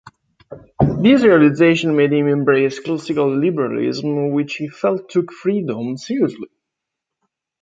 This realization made him embrace classical liberalism, which he felt took freedom seriously.